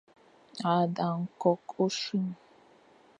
A dang nkok, ochuin.